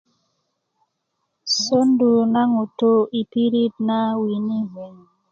sondu na ŋutu i pirit na wini